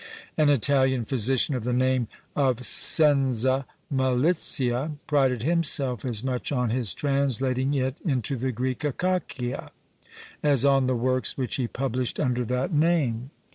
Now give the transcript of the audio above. An Italian physician of the name of Senza Malizia, prided himself as much on his translating it into the Greek Akakia, as on the works which he published under that name.